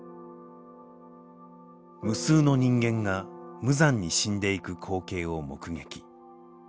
無数の人間が無残に死んでいく光景を目撃。